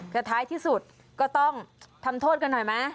แต่ท้ายที่สุดก็ต้องทำโทษกันหน่อยไหม